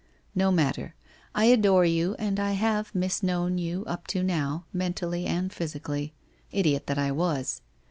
No matter! I adore you, and I have mis known you up to now, mentally, and physically. Idiot that I was!